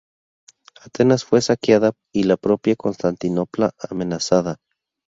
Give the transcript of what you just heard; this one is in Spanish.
Atenas fue saqueada y la propia Constantinopla amenazada.